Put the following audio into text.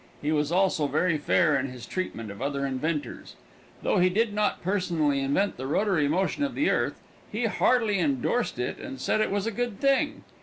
He was also very fair in his treatment of other inventors. Though he did not personally invent the rotary motion of the earth, he heartily indorsed it and said it was a good thing.